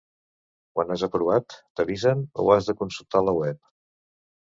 Quan has aprovat t'avisen o has de consultar la web?